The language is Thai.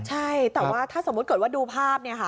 ใช่แต่ว่าถ้าสมมุติเกิดว่าดูภาพ